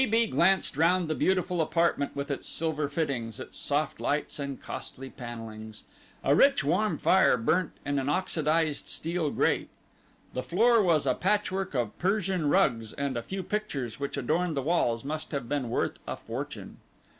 T. B. glanced round the beautiful apartment with its silver fittings, its soft lights and costly panellings. A rich, warm fire burnt in an oxidized steel grate. The floor was a patchwork of Persian rugs, and a few pictures which adorned the walls must have been worth a fortune.